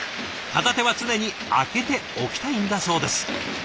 片手は常に空けておきたいんだそうです。